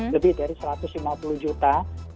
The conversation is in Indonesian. lebih dari satu ratus lima puluh juta